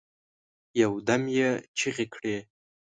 یو دم یې چیغي کړې